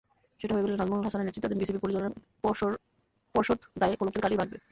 সেটা হয়ে গেলে নাজমুল হাসানের নেতৃত্বাধীন বিসিবির পরিচালনা পর্ষদ গায়ে কলঙ্কের কালিই মাখবে।